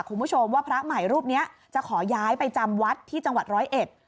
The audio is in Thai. คุณผู้ชมว่าพระใหม่รูปเนี้ยจะขอย้ายไปจำวัดที่จังหวัดร้อยเอ็ด